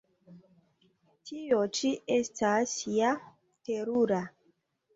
Tio ĉi estas ja terura!